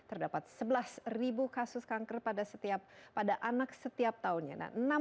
ada sebelas ribu kasus kanker pada anak setiap tahunnya